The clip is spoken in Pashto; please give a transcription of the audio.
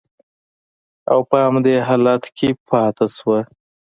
او په همدې حالت کې پاتې شوه